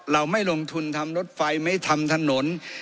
เราไม่ลงทุนทำรถไฟไม่ทำถนน